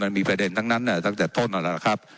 มันมีแประเด็นทั้งนั้นนะตั้งแต่ต้นแล้วละครับ